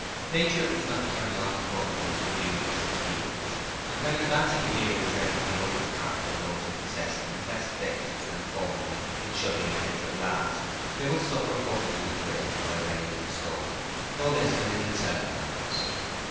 Nature does not carry on her government with a view to such feelings, and when advancing years render the open hearts of those who possess them less dexterous than formerly in shutting against the blast, they must suffer "buffeting at will by rain and storm" no less than Little Celandines.